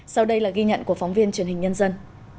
sau đây là ghi nhận của phóng viên truyền hình nhân dân